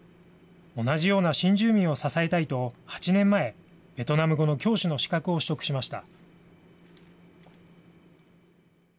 同じような新住民を支えたいと８年前、ベトナム語の教師の資格を取得しました。